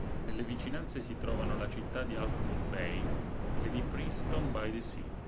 Nelle vicinanze si trovano la città di Half Moon Bay e di Princeton-by-the-Sea.